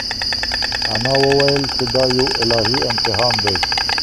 انا وویل چې دا یو الهي امتحان دی.